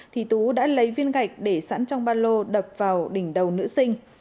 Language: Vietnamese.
thì tú đã lấy viên gạch để sẵn trong ba lô đập vào đỉnh đầu nữ sinh